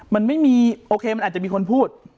มันไม่มีโอเคมันอาจจะมีคนพูด